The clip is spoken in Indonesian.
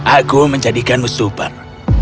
aku menjadikanmu super